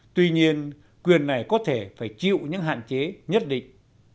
tuy nhiên quyền này có thể phải chịu những hạn chế nhất định